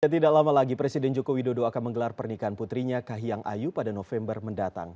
tidak lama lagi presiden joko widodo akan menggelar pernikahan putrinya kahiyang ayu pada november mendatang